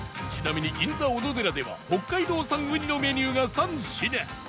ちなみに銀座おのでらでは北海道産雲丹のメニューが３品